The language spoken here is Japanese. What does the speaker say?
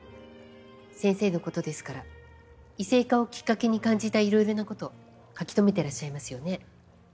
先生のことですから異性化をきっかけに感じた色々なこと書き留めてらっしゃいますよね。